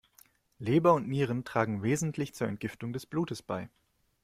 Leber und Nieren tragen wesentlich zur Entgiftung des Blutes bei.